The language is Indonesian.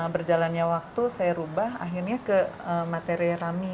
berjalannya waktu saya rubah akhirnya ke materi rami